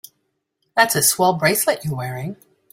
That's a swell bracelet you're wearing.